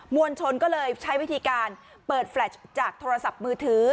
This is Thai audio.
วลชนก็เลยใช้วิธีการเปิดแฟลชจากโทรศัพท์มือถือ